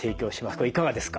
これいかがですか？